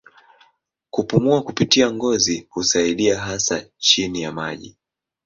Kupumua kupitia ngozi husaidia hasa chini ya maji.